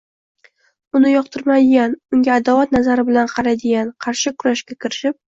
uni yoqtirmaydigan, unga adovat nazari bilan qaraydiganlar qarshi kurashga kirishib